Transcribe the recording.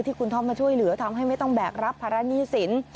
คุณท็อปมาช่วยเหลือทำให้ไม่ต้องแบกรับภาระหนี้สิน